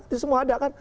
ini semua ada kan